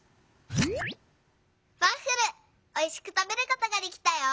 「ワッフルおいしくたべることができたよ！